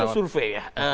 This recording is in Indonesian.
termasuk survei ya